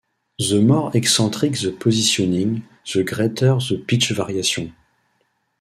The more eccentric the positioning, the greater the pitch variation.